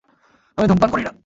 আমি ধূমপান করি না!